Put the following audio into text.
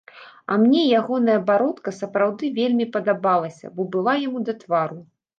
А мне ягоная бародка сапраўды вельмі падабалася, бо была яму да твару.